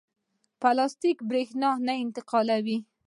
پلاستیک برېښنا نه انتقالوي.